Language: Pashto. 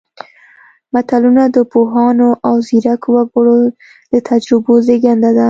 متلونه د پوهانو او ځیرکو وګړو د تجربو زېږنده ده